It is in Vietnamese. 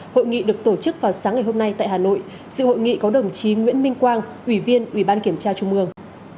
hội nghị được tổ chức vào sáng ngày hôm nay tại hà nội sự hội nghị có đồng chí nguyễn minh quang ủy viên ủy ban kiểm tra trung ương